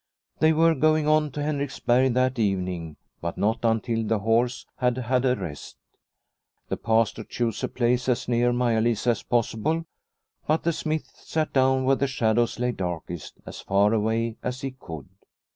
They were going on to Henriksberg that evening, but not until the horse had had a rest. The Pastor chose a place as near Maia Lisa as possible, but the smith sat down where the shadows lay darkest, as far away as he could.